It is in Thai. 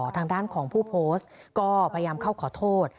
ทางด้านของผู้โพสต์ก็พยายามเข้าขอโทษ